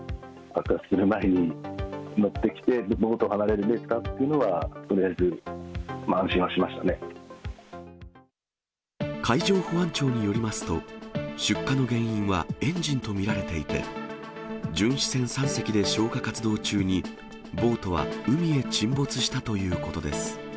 爆発する前に乗ってきて、ボート離れられたというのは、とりあえ海上保安庁によりますと、出火の原因はエンジンと見られていて、巡視船３隻で消火活動中に、ボートは海へ沈没したということです。